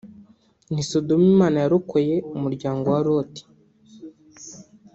n’i Sodomu Imana yarokoye umuryango wa Loti